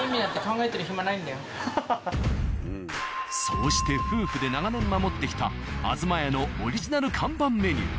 そうして夫婦で長年守ってきた「あづま家」のオリジナル看板メニュー。